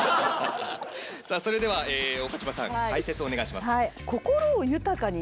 さあそれでは岡島さん解説お願いします。